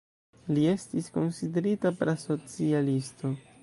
Li estis konsiderita pra-socialisto.